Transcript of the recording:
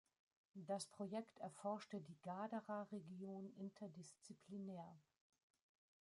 Das Projekt erforschte die Gadara-Region interdisziplinär.